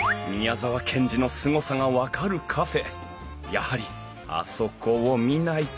やはりあそこを見ないと